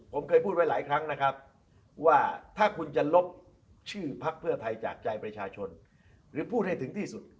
ผมเคยพูดไว้หลายครั้งนะครับว่าถ้าคุณจะลบชื่อพักเพื่อไทยจากใจประชาชนหรือพูดให้ถึงที่สุด